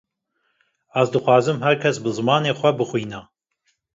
Ez dixwazim her kes bi zimanê xwe bixwîne